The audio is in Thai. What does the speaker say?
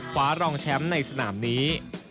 รองแชมป์ในสนามนี้